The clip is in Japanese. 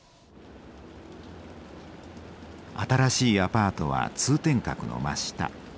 新しいアパートは通天閣の真下。